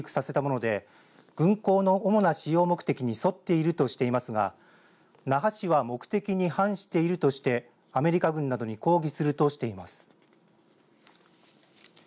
アメリカ海兵隊は機体を船に積み込むために着陸させたもので軍港の主な使用目的に沿っているとしていますが那覇市は目的に反しているとしてアメリカ軍などに抗議するとしています。